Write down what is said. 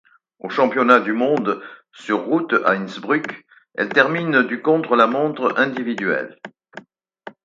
Aux championnats du monde sur route à Innsbruck, elle termine du contre-la-montre individuel.